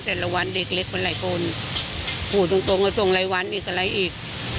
แต่ละวันเด็กเล็กมันหลายคนผู้ตรงเอาตรงไรวันอีกอะไรอีก